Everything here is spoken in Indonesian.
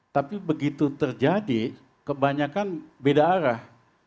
tapi begitu terjadi kebanyakan beda arah